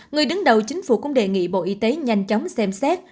người đứng đầu chính phủ cũng đề nghị bộ y tế nhanh chóng xem xét